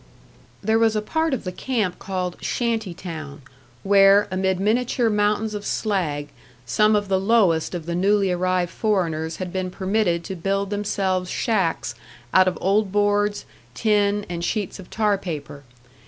There was a part of the camp called "shanty town," where, amid miniature mountains of slag, some of the lowest of the newly arrived foreigners had been permitted to build themselves shacks out of old boards, tin, and sheets of tar paper.